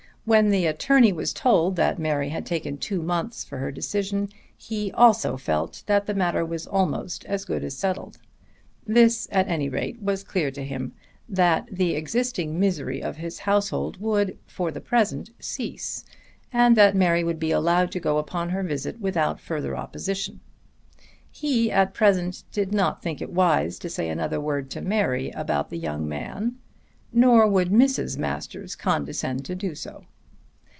When the attorney was told that Mary had taken two months for her decision he also felt that the matter was almost as good as settled. This at any rate was clear to him, that the existing misery of his household would for the present cease, and that Mary would be allowed to go upon her visit without further opposition. He at present did not think it wise to say another word to Mary about the young man; nor would Mrs. Masters condescend to do so.